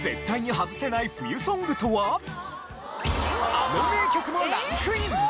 あの名曲もランクイン！